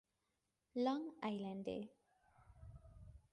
Long Island A.